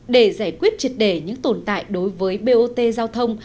để giải quyết triệt đề những tồn tại đối với bot giao thông